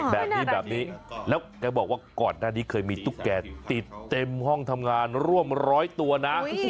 แบบนี้แบบนี้แล้วแกบอกว่าก่อนหน้านี้เคยมีตุ๊กแก่ติดเต็มห้องทำงานร่วมร้อยตัวนะ